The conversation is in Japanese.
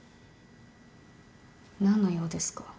何の用ですか？